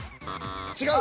違う。